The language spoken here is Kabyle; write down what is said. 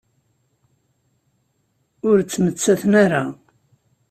Ur ttmettaten ara.